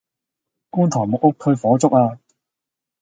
觀塘木屋區火燭呀